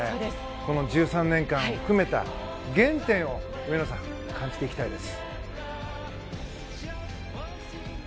この１３年間を含めた原点を上野さん感じていきたいです。